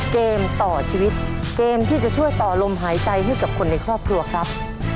เกมต่อชีวิตเกมที่จะช่วยต่อลมหายใจให้กับคนในครอบครัวครับ